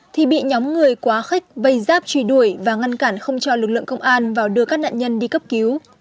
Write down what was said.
thì bị nhóm người quá khích vây giáp truy đuổi và ngăn cản không cho lực lượng công an vào đưa các nạn nhân đi cấp cứu